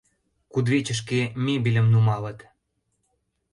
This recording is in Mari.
Кудывечышке мебельым нумалыт.